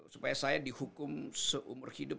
supaya saya dihukum seumur hidup